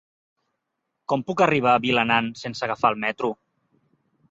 Com puc arribar a Vilanant sense agafar el metro?